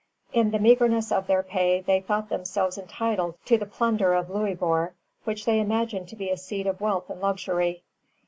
In the meagreness of their pay they thought themselves entitled to the plunder of Louisbourg, which they imagined to be a seat of wealth and luxury.